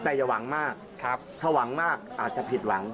แต่อย่าหวังมากถ้าหวังมากอาจจะผิดหวัง